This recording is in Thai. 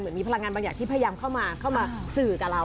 มีพลังงานบางอย่างที่พยายามเข้ามาสื่อกับเรา